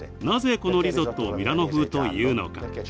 なぜこのリゾットをミラノ風というのか？